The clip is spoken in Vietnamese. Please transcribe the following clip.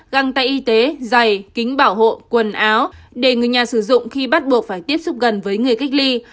găng tay y tế dày kính bảo hộ quần áo để người nhà sử dụng khi bắt buộc phải tiếp xúc gần với người cách ly